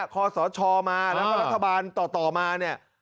คอสชมาแล้วก็รัฐบาลต่อมาเนี่ย